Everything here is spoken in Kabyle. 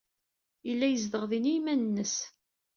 Yella yezdeɣ din i yiman-nnes.